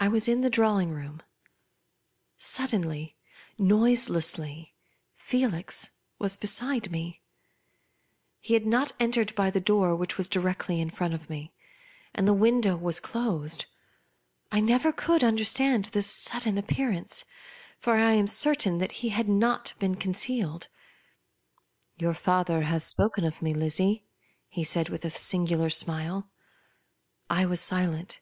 I was in the drawing room. Suddenly, noiselessly, Felix was beside me. He had not entered by the door which was directly in front of me ; and the window was closed. I never could understand this sudden appear ance ; for I am certain that he had not been conceal^jd. " Your father has spoken of me, Lizzie ?" he said with a singular smile. I was silent.